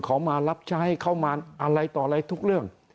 เขามารับใช้เขามาอะไรต่ออะไรทุกเรื่อง